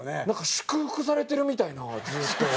祝福されてるみたいなずっと。